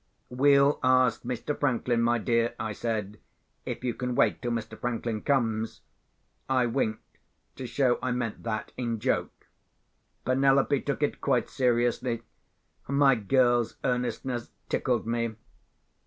"We'll ask Mr. Franklin, my dear," I said, "if you can wait till Mr. Franklin comes." I winked to show I meant that in joke. Penelope took it quite seriously. My girl's earnestness tickled me.